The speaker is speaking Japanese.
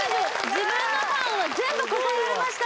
自分のターンは全部答えられました